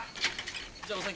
じゃお先。